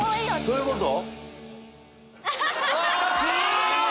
どういうこと⁉